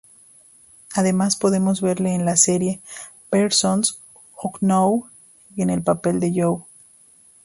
Además podemos verle en la serie "Persons Unknown", en el papel de Joe.